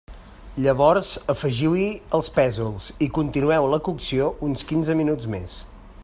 Llavors afegiu-hi els pèsols i continueu la cocció uns quinze minuts més.